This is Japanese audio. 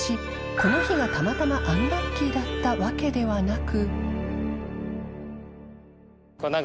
この日がたまたまアンラッキーだったわけではなく浅野さん）